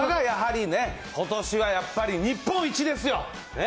やはりね、ことしはやっぱり日本一ですよ！